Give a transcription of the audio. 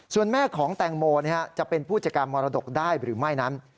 ส่วนแม่ของแตงโมจะเป็นผู้จัดการมรดกได้หรือไม่นั้น